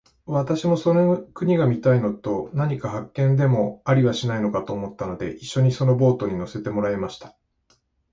私もその国が見たいのと、何か発見でもありはしないかと思ったので、一しょにそのボートに乗せてもらいました。